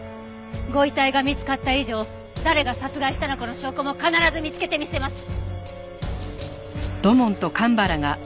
ご遺体が見つかった以上誰が殺害したのかの証拠も必ず見つけてみせます。